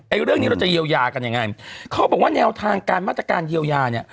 เรื่องนี้เราจะเยียวยากันยังไงเขาบอกว่าแนวทางการมาตรการเยียวยาเนี่ย